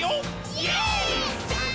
イエーイ！！